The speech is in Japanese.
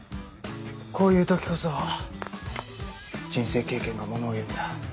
こういう時こそ人生経験がものをいうんだ。